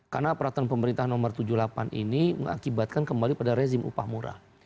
karena peraturan pemerintah nomor tujuh puluh delapan ini mengakibatkan kembali pada rezim upah murah